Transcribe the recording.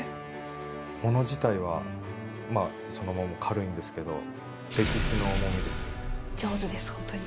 物自体はまあそのまま軽いんですけど上手です本当に。